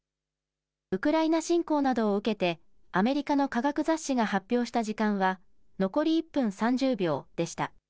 ウクライナ侵攻などを受けて、アメリカの科学雑誌が発表した時間は、残り１分３０秒でした。